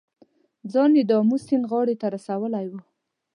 ځان یې د آمو سیند غاړې ته رسولی و.